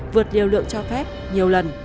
vượt liều lượng cho phép nhiều lần